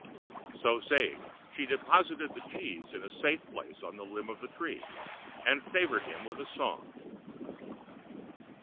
So saying, she deposited the Cheese in a safe Place on the Limb of the Tree, and favored him with a Song.